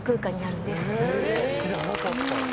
知らなかった。